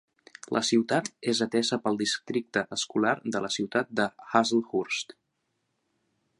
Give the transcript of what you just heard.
La ciutat és atesa pel districte escolar de la ciutat de Hazlehurst.